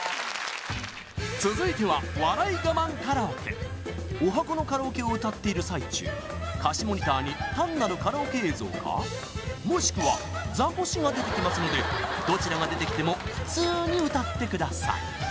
続いては笑い我慢カラオケ十八番のカラオケを歌っている最中歌詞モニターに単なるカラオケ映像かもしくはザコシが出てきますのでどちらが出てきても普通に歌ってください